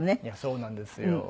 いやそうなんですよ。